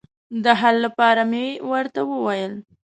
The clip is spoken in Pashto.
د حل لپاره مې ورته وویل.